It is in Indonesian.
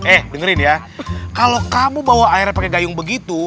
eh dengerin ya kalau kamu bawa airnya pakai gayung begitu